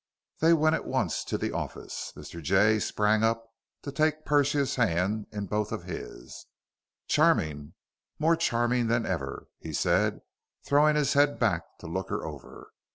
They went at once to the office. Mr. Jay sprang up to take Persia's hand in both of his. "Charming! More charming than ever!" he said, throwing his head back to look her over.